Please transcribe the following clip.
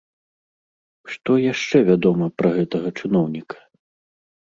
Што яшчэ вядома пра гэтага чыноўніка?